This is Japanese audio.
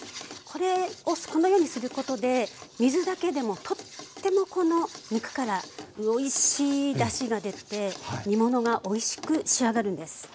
これをこのようにすることで水だけでもとってもこの肉からおいしいだしが出て煮物がおいしく仕上がるんです。